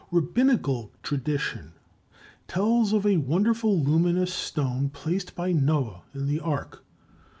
Rabbinical tradition tells of a wonderful luminous stone placed by Noah in the Ark.